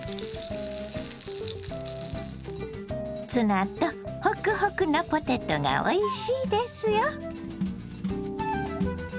ツナとホクホクのポテトがおいしいですよ。